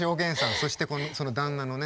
そしてその旦那のね。